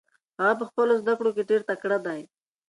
هغه په خپلو زده کړو کې ډېر تکړه دی.